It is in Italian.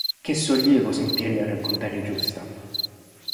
Che sollievo sentirla raccontare giusta!